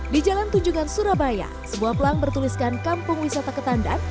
di jalan tunjungan surabaya sebuah pelang bertuliskan kampung wisata ketandan